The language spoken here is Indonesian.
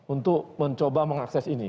untuk mencoba mengakses ini